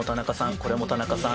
これも田中さん